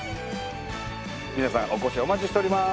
皆さんお越しをお待ちしております！